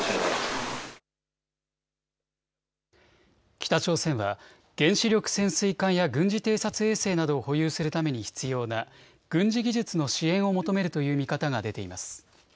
北朝鮮は原子力潜水艦や軍事偵察衛星などを保有するために必要な軍事技術の支援を求めるという見方が出ています。